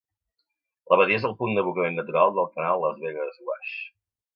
La badia és el punt d'abocament natural del canal Las Vegas Wash.